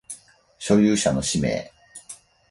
所有者の氏名